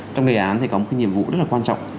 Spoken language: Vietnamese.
trong đề án thì có một cái nhiệm vụ rất là quan trọng